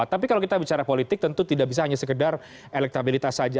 tapi kalau kita bicara politik tentu tidak bisa hanya sekedar elektabilitas saja